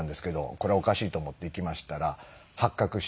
これはおかしいと思って行きましたら発覚して。